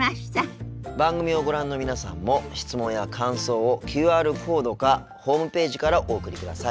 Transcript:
番組をご覧の皆さんも質問や感想をＱＲコードかホームページからお送りください。